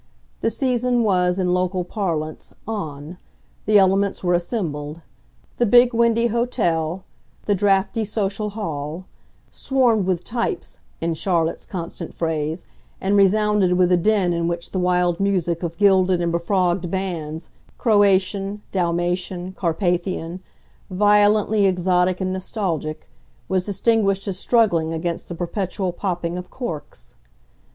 The season was, in local parlance, "on," the elements were assembled; the big windy hotel, the draughty social hall, swarmed with "types," in Charlotte's constant phrase, and resounded with a din in which the wild music of gilded and befrogged bands, Croatian, Dalmatian, Carpathian, violently exotic and nostalgic, was distinguished as struggling against the perpetual popping of corks.